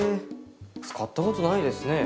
使ったことないですね。